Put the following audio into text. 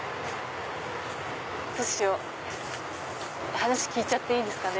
話聞いちゃっていいですかね。